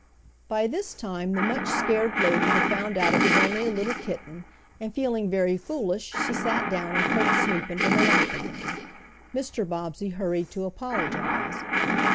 By this time the much scared lady had found out it was only a little kitten, and feeling very foolish she sat down and coaxed Snoop into her lap again. Mr. Bobbsey hurried to apologize.